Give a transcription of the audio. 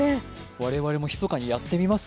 我々もひそかにやってみます？